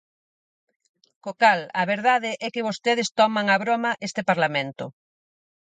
Co cal, a verdade é que vostedes toman a broma este Parlamento.